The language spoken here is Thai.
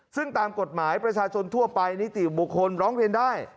ซึ่งตามกฎหมายประชาชนทั่วไปนิติบุคคลร้องเรียนได้